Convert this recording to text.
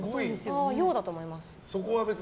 陽だと思います。